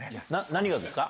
何がですか？